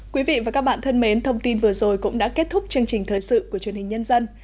quý vị và các bạn thân mến thông tin vừa rồi cũng đã kết thúc chương trình thời sự của truyền hình nhân dân